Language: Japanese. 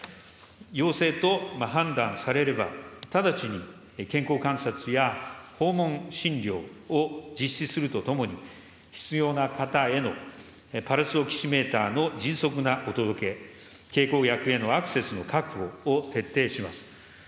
陽性と判断されれば、直ちに健康観察や訪問診療を実施するとともに、必要な方へのパルスオキシメーターの迅速なお届け、経口薬へのアクセスの確保を徹底します。